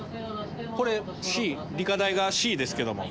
これ理科大が「Ｃ」ですけども。